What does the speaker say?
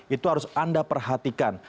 itu harus anda perhatikan